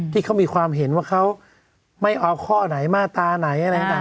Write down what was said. ที่เขามีความเห็นว่าเขาไม่เอาข้อไหนมาตราไหนอะไรต่าง